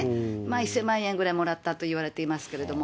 １０００万円ぐらいもらったといわれていますけれども。